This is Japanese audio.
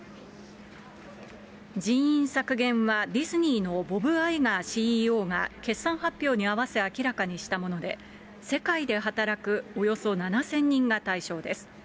人員削減はディズニーのボブ・アイガーＣＥＯが決算発表に合わせ明らかにしたもので、世界で働くおよそ７０００人が対象です。